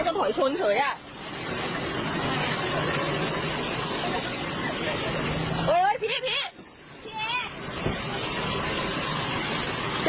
คือที่มันน่ากลัวคือตรงที่ว่าผู้หญิงเสื้อสีขาวเจ้าของรถที่ถูกชน